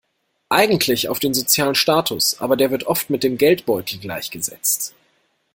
Eigentlich auf den sozialen Status, aber der wird oft mit dem Geldbeutel gleichgesetzt.